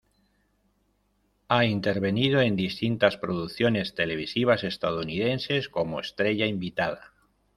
Ha intervenido en distintas producciones televisivas estadounidenses como estrella invitada.